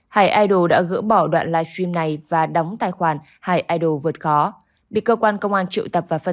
hải idol đã gỡ bỏ đoạn live stream này và đóng tài khoản hải idol vượt khó